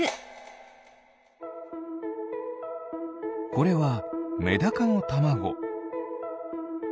これはメダカのたまご。